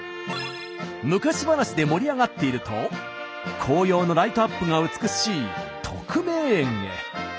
昔話で盛り上がっていると紅葉のライトアップが美しい徳明園へ。